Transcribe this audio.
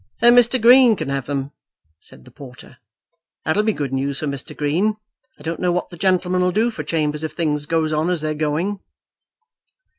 "Then Mr. Green can have them," said the porter; "that'll be good news for Mr. Green. I don't know what the gen'lemen 'll do for chambers if things goes on as they're going."